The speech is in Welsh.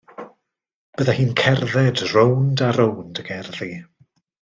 Byddai hi'n cerdded rownd a rownd y gerddi.